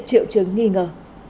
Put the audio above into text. triệu chứng nghi ngờ